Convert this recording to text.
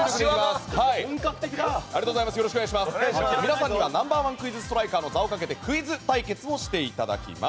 皆さんにはナンバー１クイズストライカーの座をかけてクイズ対決をしていただきます。